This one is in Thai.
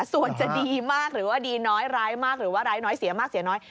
ส่วนจะดีมากหรือว่าดีน้อยร้ายมากหรือว่าร้ายน้อยเสียมากเสียน้อย